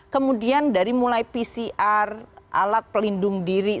kemudian dari mulai pcr alat pelindung diri